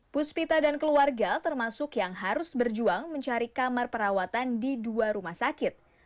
puspita dan keluarga termasuk yang harus berjuang mencari kamar perawatan di dua rumah sakit